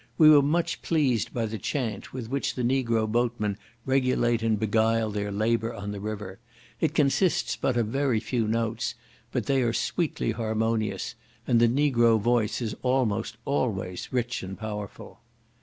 We were much pleased by the chant with which the Negro boatmen regulate and beguile their labour on the river; it consists but of very few notes, but they are sweetly harmonious, and the Negro voice is almost always rich and powerful.